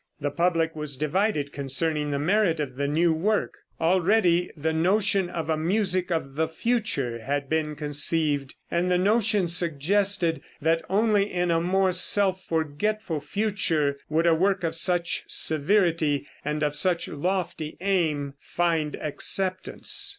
The public was divided concerning the merit of the new work. Already the notion of a music of the future had been conceived, and the notion suggested that only in a more self forgetful future would a work of such severity and of such lofty aim find acceptance.